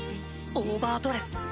オーバードレス